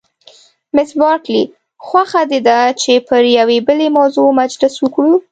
مس بارکلي: خوښه دې ده چې پر یوې بلې موضوع مجلس وکړو؟